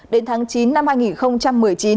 đến tháng chín năm hai nghìn một mươi chín